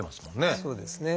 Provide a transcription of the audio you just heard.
そうですね。